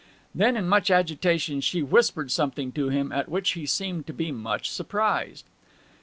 Then in much agitation she whispered something to him, at which he seemed to be much surprised.